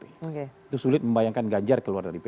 itu sulit membayangkan ganjar keluar dari pdip